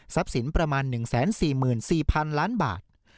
ทรัพย์ศรีประมาณ๑๔๔๐๐๐ล้านบาท